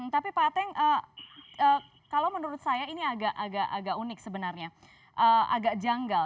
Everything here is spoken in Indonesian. tapi pak ateng kalau menurut saya ini agak unik sebenarnya agak janggal